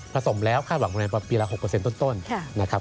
สมแล้วคาดหวังในปีละ๖ต้นนะครับ